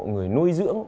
người nuôi dưỡng